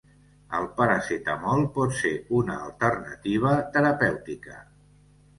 El paracetamol pot ser una alternativa terapèutica.